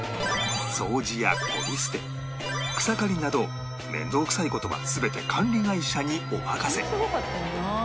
掃除やゴミ捨て草刈りなど面倒くさい事は全て管理会社にお任せ